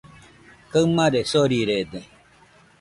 Kaɨmare sorirede.